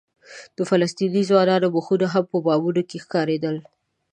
د فلسطیني ځوانانو مخونه هم په بامونو کې ښکارېدل.